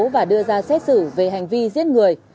và đưa ra xét xử về hành vi giết người